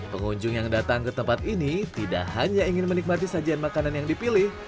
pengunjung yang datang ke tempat ini tidak hanya ingin menikmati sajian makanan yang dipilih